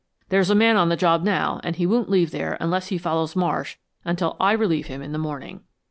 There's a man on the job now and he won't leave there, unless he follows Marsh, until I relieve him in the morning."